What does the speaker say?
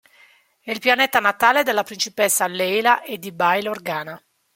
È il pianeta natale della Principessa Leila e di Bail Organa.